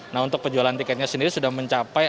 nah untuk penjualan tiketnya sendiri sudah mencapai